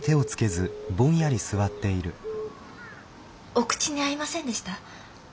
お口に合いませんでした？